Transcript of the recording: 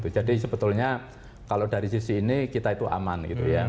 jadi sebetulnya kalau dari sisi ini kita itu aman